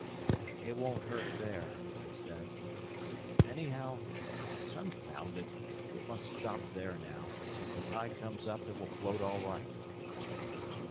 "It won't hurt there," I said. "Anyhow—confound it!—it must stop there now. If the tide comes up, it will float all right."